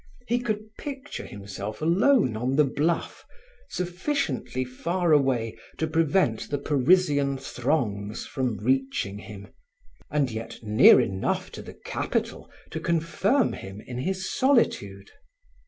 He could picture himself alone on the bluff, sufficiently far away to prevent the Parisian throngs from reaching him, and yet near enough to the capital to confirm him in his solitude.